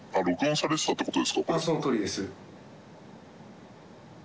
はい、そのとおりです。